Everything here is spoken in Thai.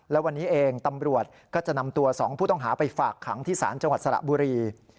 และวันนี้เองตำรวจก็จะนำตัว๒ผู้ต้องหาไปฝากขังที่ศาลจังหวัดสระบุรี